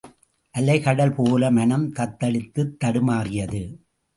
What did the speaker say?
அலைகடல்போல மனம் தத்தளித்துத் தடுமாறியது.